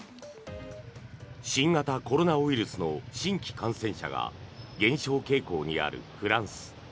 新型コロナウイルスの新規感染者が減少傾向にあるフランス。